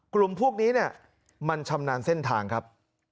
กลุ่มพวกนี้เนี่ยมันชำนาญเส้นทางครับ